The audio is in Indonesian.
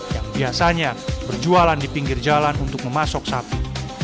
yang biasanya berjualan di pinggir jalan untuk memasok sapi